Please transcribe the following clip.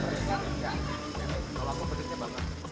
kalau aku pedangnya bakna